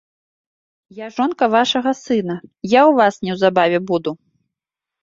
Я жонка вашага сына, я ў вас неўзабаве буду.